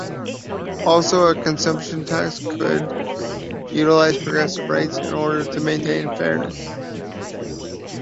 Also, a consumption tax could utilize progressive rates in order to maintain fairness.